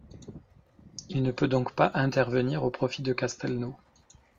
Il ne peut donc pas intervenir au profit de Castelnau.